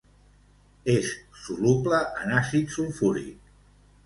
És soluble en àcid sulfúric.